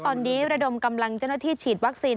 ตอนนี้ระดมกำลังเจ้าหน้าที่ฉีดวัคซีน